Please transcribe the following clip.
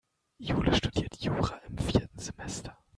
Jule studiert Jura im vierten Semester.